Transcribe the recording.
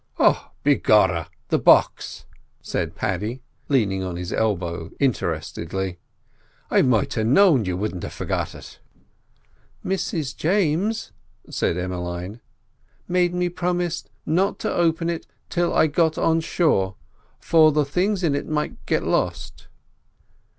"Oh, begorra, the box!" said Paddy, leaning on his elbow interestedly; "I might a' known you wouldn't a' forgot it." "Mrs James," said Emmeline, "made me promise not to open it till I got on shore, for the things in it might get lost."